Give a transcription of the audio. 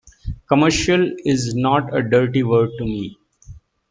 Commercial is not a dirty word to me.